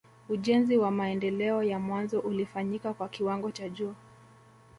Ujenzi wa maendeleo ya mwanzo ulifanyika kwa kiwango cha juu